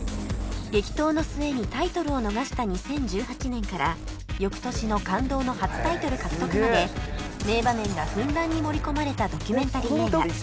激闘の末にタイトルを逃した２０１８年から翌年の感動の初タイトル獲得まで名場面がふんだんに盛り込まれたドキュメンタリー映画